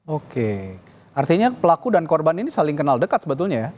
oke artinya pelaku dan korban ini saling kenal dekat sebetulnya ya